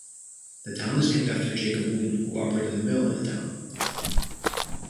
The town is named after Jacob Boon who operated a mill in the town.